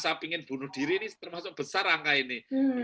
saya ingin bunuh diri ini termasuk besar angka ini